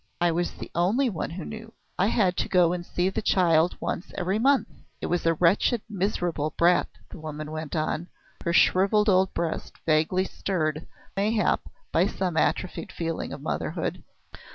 I was the only one who knew. I had to go and see the child once every month. It was a wretched, miserable brat," the woman went on, her shrivelled old breast vaguely stirred, mayhap, by some atrophied feeling of motherhood.